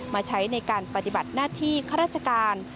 มาใช้ในการปฏิบัติหน้าที่ข้าราชการ